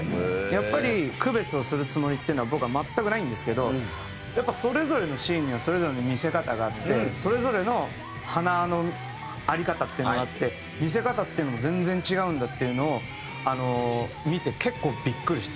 やっぱり区別をするつもりっていうのは僕は全くないんですけどやっぱそれぞれのシーンにはそれぞれの見せ方があってそれぞれの華の在り方っていうのがあって見せ方っていうのも全然違うんだっていうのを見て結構ビックリしてしまって。